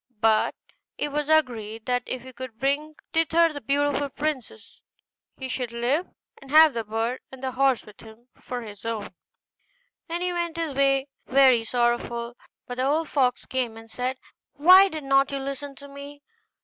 But it was agreed, that, if he could bring thither the beautiful princess, he should live, and have the bird and the horse given him for his own. Then he went his way very sorrowful; but the old fox came and said, 'Why did not you listen to me?